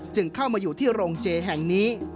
เข้ามาอยู่ที่โรงเจแห่งนี้